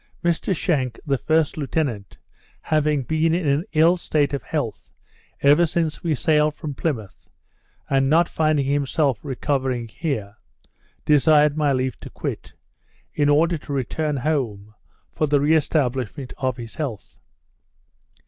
Mr Shank the first lieutenant having been in an ill state of health ever since we sailed from Plymouth, and not finding himself recover here, desired my leave to quit, in order to return home for the re establishment of his health.